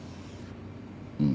うん。